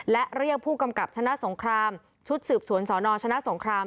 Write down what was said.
และเรียกผู้กำกับชนะสงครามชุดสืบสวนสนชนะสงคราม